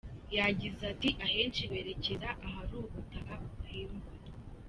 Yagize ati “Ahenshi berekeza ahari ubutaka buhingwa.